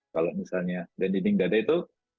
kalau misalnya dan dinding dada itu